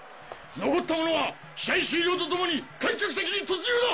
残った者は試合終了とともに観客席に突入だ！